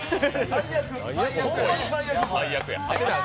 最悪や。